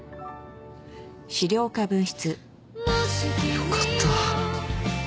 よかった。